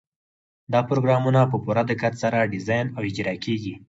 دا پروګرامونه په پوره دقت سره ډیزاین او اجرا کیږي.